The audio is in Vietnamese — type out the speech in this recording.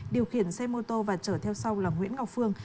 điều khiển xe mô tô và chở theo sau là nguyễn ngọc phương